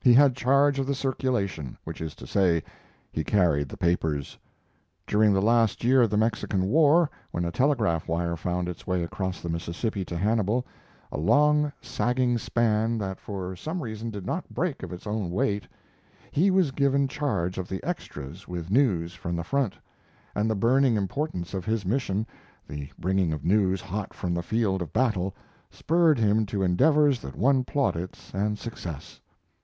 He had charge of the circulation which is to say, he carried the papers. During the last year of the Mexican War, when a telegraph wire found its way across the Mississippi to Hannibal a long sagging span, that for some reason did not break of its own weight he was given charge of the extras with news from the front; and the burning importance of his mission, the bringing of news hot from the field of battle, spurred him to endeavors that won plaudits and success.